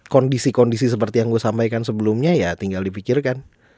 kondisi kondisi seperti yang gue sampaikan sebelumnya ya tinggal dipikirkan